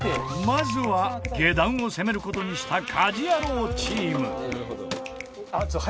まずは下段を攻める事にした家事ヤロウチーム。